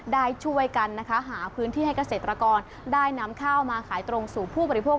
ได้ช่วยกันนะคะหาพื้นที่ให้เกษตรกรได้นำข้าวมาขายตรงสู่ผู้บริโภค